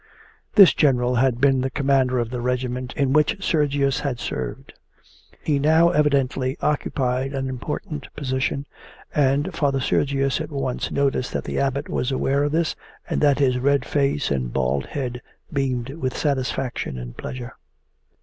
This general had been the commander of the regiment in which Sergius had served. He now evidently occupied an important position, and Father Sergius at once noticed that the Abbot was aware of this and that his red face and bald head beamed with satisfaction and pleasure.